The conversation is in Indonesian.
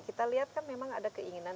kita lihat kan memang ada keinginan